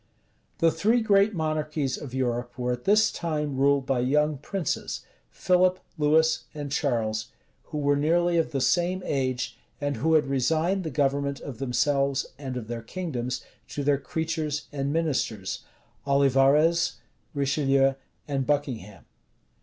The three great monarchies of Europe were at this time ruled by young princes, Philip, Louis, and Charles, who were nearly of the same age, and who had resigned the government of themselves, and of their kingdoms, to their creatures and ministers, Olivarez, Richelieu, and Buckingham.